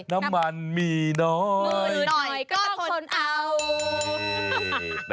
น้ำมันมีน้อยมืดหน่อยก็ต้องคนเอา